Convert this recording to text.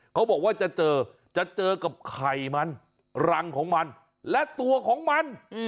เขาบอกว่าจะเจอจะเจอกับไข่มันรังของมันและตัวของมัน